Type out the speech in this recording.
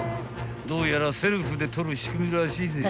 ［どうやらセルフで取る仕組みらしいぜ］